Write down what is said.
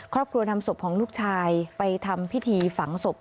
ครอบครัวนำศพของลูกชายไปทำพิธีฝังศพ